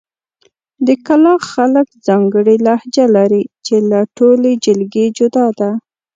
د کلاخ خلک ځانګړې لهجه لري، چې له ټولې جلګې جدا ده.